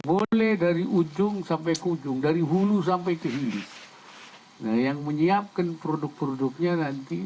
boleh dari ujung sampai ke ujung dari hulu sampai ke hilir nah yang menyiapkan produk produknya nanti